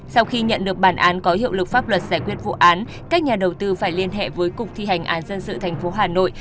sau khi nhận được bản án có hiệu lực pháp luật giải quyết vụ án các nhà đầu tư phải liên hệ với cục thi hành án dân sự tp hà nội